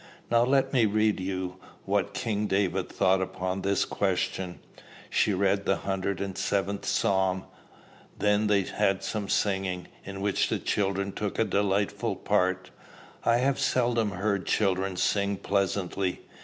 "Now let me read you what King David thought upon this question." She read the hundred and seventh Psalm. Then they had some singing, in which the children took a delightful part. I have seldom heard children sing pleasantly.